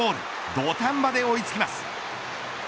土壇場で追いつきます。